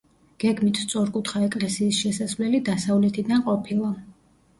გეგმით სწორკუთხა ეკლესიის შესასვლელი დასავლეთიდან ყოფილა.